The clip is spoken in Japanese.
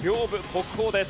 国宝です。